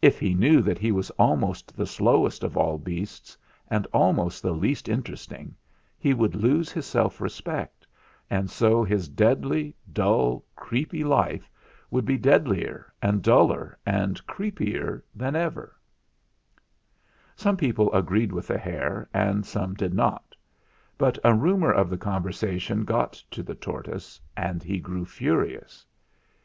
If he knew that he was almost the slowest of THE ZAGABOG'S STORY 145 all beasts, and almost the least interesting, he would lose his self respect, and so his deadly, dull, creepy life would be deadlier and duller and creepier than ever/ " Some people agreed with the hare and some did not; but a rumour of the conversa tion got to the tortoise, and he grew furious.